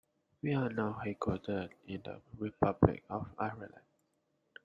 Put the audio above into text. We are now headquartered in the Republic of Ireland.